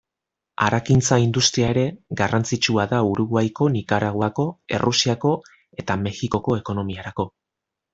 Harakintza-industria ere garrantzitsua da Uruguaiko, Nikaraguako, Errusiako eta Mexikoko ekonomiarako.